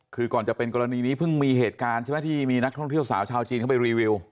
คือก่อนจะเป็นกรณีนี้เพิ่งมีเหตุการณ์ใช่ไหมที่มีนักท่องเที่ยวสาวชาวจีนเข้าไปรีวิว